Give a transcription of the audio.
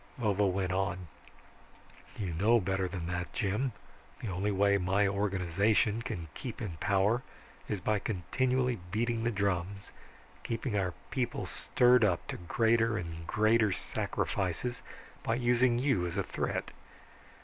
Vovo went on. "You know better than that, Jim. The only way my organization can keep in power is by continually beating the drums, keeping our people stirred up to greater and greater sacrifices by using you as a threat.